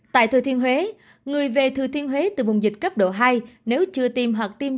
tại thừa thiên huế người về thừa thiên huế từ vùng dịch cấp độ hai nếu chưa tiêm hoặc tiêm